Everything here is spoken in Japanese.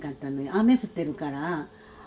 雨降ってるから。